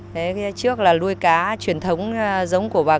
thế trước là nuôi cá truyền thống giống của bà con